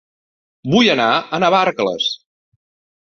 Vull anar a Navarcles